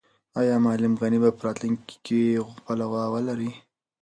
آیا معلم غني به په راتلونکي کې خپله غوا واخلي؟